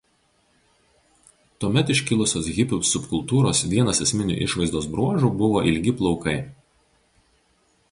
Tuomet iškilusios hipių subkultūros vienas esminių išvaizdos bruožų buvo ilgi plaukai.